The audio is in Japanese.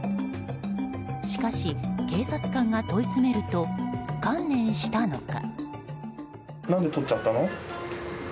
しかし、警察官が問い詰めると観念したのか。